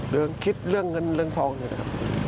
เรื่องคิดเรื่องเงินเรื่องทองเนี่ยนะครับ